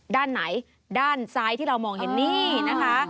ด้านไหนด้านซ้ายที่เรามองเห็นนี่นะคะ